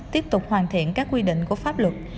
tiếp tục hoàn thiện các quy định của pháp luật